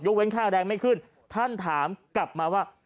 เว้นค่าแรงไม่ขึ้นท่านถามกลับมาว่า